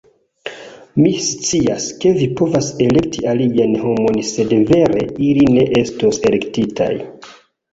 Mi scias, ke vi povas elekti aliajn homojn sed vere ili ne estos elektitaj